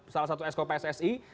salah satu exco pssi